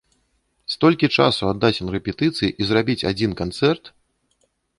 Столькі часу аддаць на рэпетыцыі і зрабіць адзін канцэрт!?